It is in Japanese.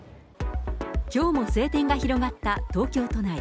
きょうも晴天が広がった東京都内。